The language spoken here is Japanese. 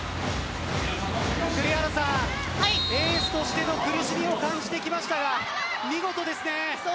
エースとしての苦しみを感じてきましたが、見事ですね。